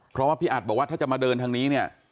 เพราะว่าพี่อัดบอกว่าถ้าจะมาเดินทางนี้เนี่ย